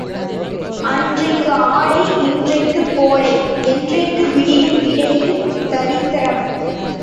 அன்றைக்கு ஆடை இன்றைக்குக் கோடை என்றைக்கு விடியும் இடையில் தரித்திரம்.